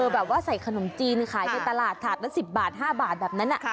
แบบว่าใส่ขนมจีนขายในตลาดถาดละ๑๐บาท๕บาทแบบนั้น